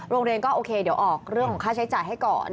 โรงเรียนก็โอเคเดี๋ยวออกเรื่องของค่าใช้จ่ายให้ก่อน